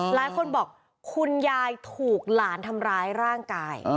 หลายคนบอกคุณยายถูกหลานทำร้ายร่างกาย